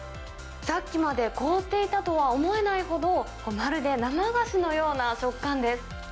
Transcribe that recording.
さっきまで凍っていたとは思えないほど、まるで生菓子のような食感です。